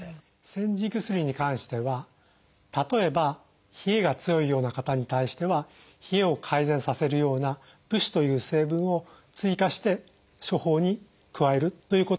煎じ薬に関しては例えば冷えが強いような方に対しては冷えを改善させるような附子という成分を追加して処方に加えるということをいたします。